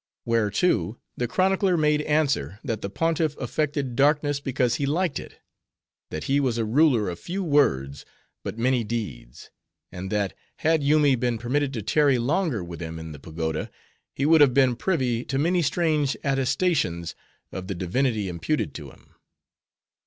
Whereto, the chronicler made answer, that the Pontiff affected darkness because he liked it: that he was a ruler of few words, but many deeds; and that, had Yoomy been permitted to tarry longer with him in the pagoda, he would have been privy to many strange attestations of the divinity imputed to him.